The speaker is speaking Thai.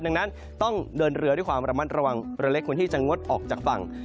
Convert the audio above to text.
ดังนั้นต้องเดินเรือด้วยความระมัดระวังเรือเล็กควรที่จะงดออกจากฝั่ง